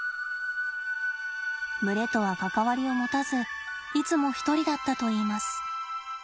群れとは関わりを持たずいつも一人だったといいます。